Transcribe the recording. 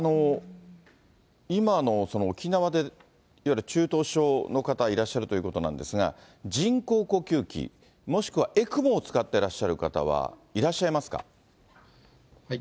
今の沖縄で、いわゆる中等症の方がいらっしゃるということなんですが、人工呼吸器、もしくはＥＣＭＯを使ってらっしゃる方はいらっしゃいますか。